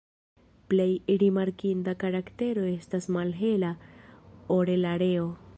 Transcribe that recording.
Plej rimarkinda karaktero estas malhela orelareo.